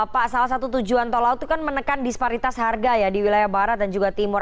pak salah satu tujuan tol laut itu kan menekan disparitas harga ya di wilayah barat dan juga timur